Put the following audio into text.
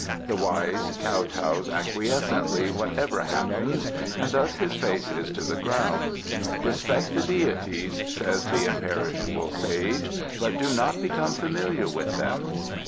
The wise kowtows acquiescently whatever happens and thus his face is to the ground. "Respect the deities," says the imperishable Sage, "but do not become familiar with them."